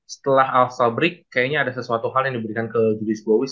setelah all star break kayaknya ada sesuatu hal yang diberikan ke julius bowie